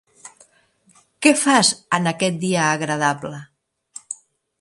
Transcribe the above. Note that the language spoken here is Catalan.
Què fas en aquest dia agradable?